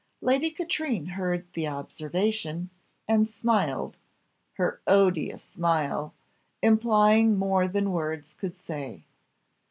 Lady Katrine heard the observation, and smiled her odious smile implying more than words could say.